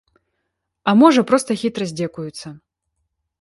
А можа, проста хітра здзекуюцца.